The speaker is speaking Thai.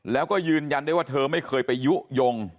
แล้วก็ยืนยันได้ว่าเธอไม่เคยไปยุโยง